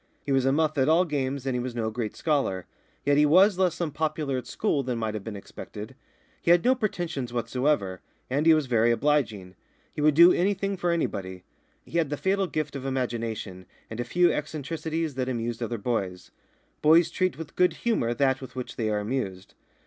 He was a muff at all games, and he was no great scholar; yet he was less unpopular at school than might have been expected. He had no pretensions whatever, and he was very obliging. He would do anything for anybody. He had the fatal gift of imagination, and a few eccentricities that amused other boys. Boys treat with good humour that with which they are amused.